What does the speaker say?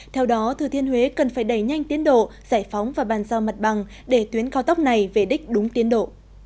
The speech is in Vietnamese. theo đó thừa thiên huế cần phải đẩy nhanh tiến độ giải phóng và bàn giao mặt bằng để tuyến cao tốc này về đích đúng tiến độ